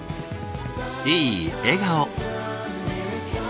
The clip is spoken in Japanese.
いい笑顔。